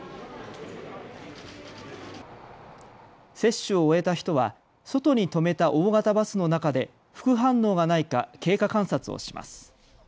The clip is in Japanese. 接種を終えた人は外に止めた大型バスの中で副反応がないか経過観察をします。